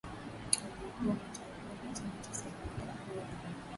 Aliyekuwa ameteuliwa na chama cha sehemu ya jamhuri